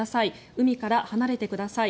海から離れてください。